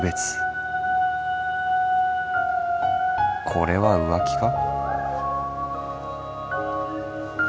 これは浮気か」。